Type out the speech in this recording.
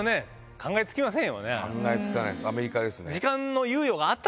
考えつかないです。